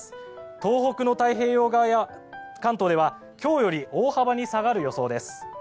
東北の太平洋側や関東では、今日より大幅に下がる予想です。